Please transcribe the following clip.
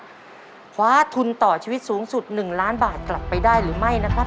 จะคว้าทุนต่อชีวิตสูงสุด๑ล้านบาทกลับไปได้หรือไม่นะครับ